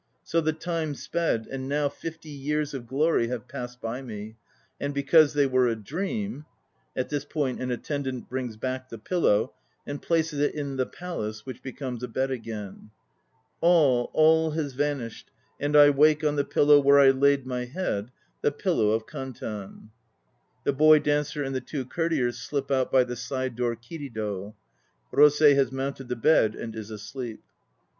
So the time sped, and now Fifty years of glory have passed by me, And because they were a dream, (At this point an ATTENDANT brings back the pillow, and places it in the "palace" which becomes a bed again.) All, all has vanished and I wake On the pillow where I laid my head, The Pillow of Kantan. (The BOY DANCER and the two COURTIERS slip out by the side door "kirido"; ROSEI has mounted the bed and is asleep.)